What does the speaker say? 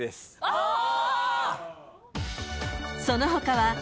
［その他は］